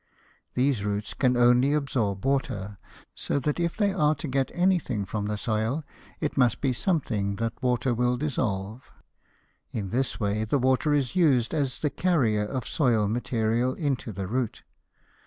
These roots can only absorb water, so that if they are to get anything from the soil it must be something that water will dissolve. In this way the water is used as the carrier of soil material into the root.